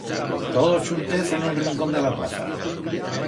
Todos chuntez en un rincón de la plaza.